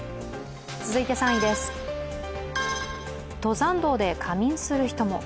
続いて３位です、登山道で仮眠する人も。